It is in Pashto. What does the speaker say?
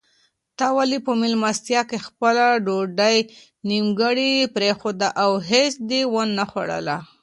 تا ولې په مېلمستیا کې خپله ډوډۍ نیمګړې پرېښوده او هیڅ دې ونه خوړل؟